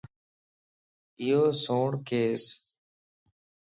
ايو سوڻ ڪيسَ